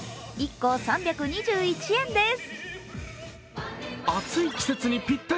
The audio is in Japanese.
１個３２１円です。